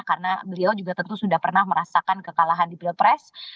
karena beliau juga tentu sudah pernah merasakan kekalahan di pilpres